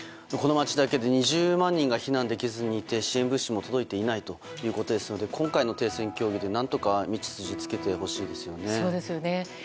この街だけで２０万人が避難できずにいて支援物資も届いていないということですので今回の停戦協議で何とか道筋をつけてほしいですね。